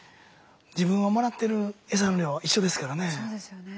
自分はもらってるエサの量一緒ですからね。